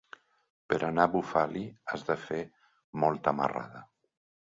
Per anar a Bufali has de fer molta marrada.